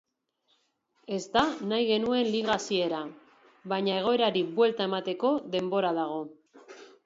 Ez da nahi genuen liga hasiera, baina egoerari buelta emateko denbora dago.